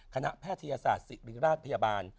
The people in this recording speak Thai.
แพทยศาสตร์ศิริราชพยาบาล